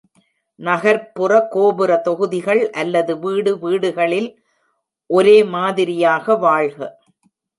நகர்ப்புற கோபுர தொகுதிகள் அல்லது வீடு வீடுகளில் ஒரே மாதிரியாக வாழ்க.